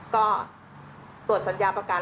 ก็ตรวจสัญญาประกัน